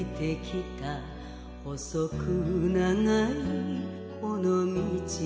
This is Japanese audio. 「細く長いこの道」